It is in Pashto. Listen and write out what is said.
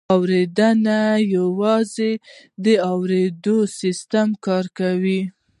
اورېدنه یوازې د اورېدو سیستم کاروي